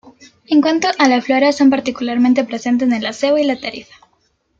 En cuanto a la flora son particularmente presente el acebo y la tarifa.